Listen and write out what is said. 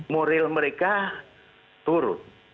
moril mereka turun